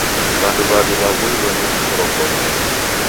W'andu w'aw'i w'aghuilwagha ni wushoromboto.